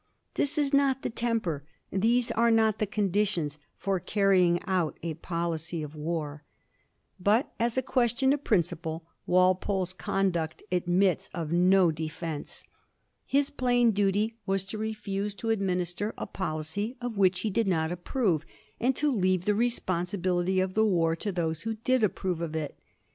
This is not the temper, these are not the conditions, for carrying out a policy of war. But, as a question of principle, Walpole's conduct "admits of no de fence. His plain daty was to refuse to administer a pol icy of which he did not approve, and to leave the respon sibility of the war to those who did approve of it.